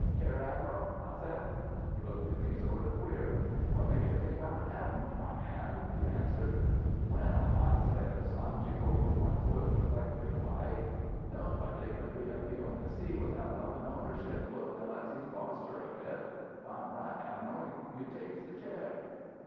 "'"Chair, Admiral?" I said. "'He looked at me sort of queer. "'"What makes you think I'm an admiral, my man?" he answers. "'"Well," I says, lounging over on one foot reflective like, "nobody could be a viewin' the sea with that lovin', ownership look unless he'd bossed her a bit.... If I'm right, Admiral, you takes the chair."